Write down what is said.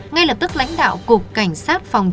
ngay lập tức lãnh đạo cục cảnh sát phòng chống xác